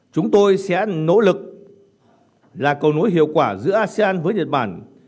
chúng tôi sẽ nỗ lực là cầu nối hiệu quả giữa asean với nhật bản